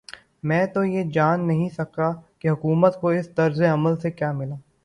میں تو یہ نہیں جان سکا کہ حکومت کو اس طرز عمل سے کیا ملا؟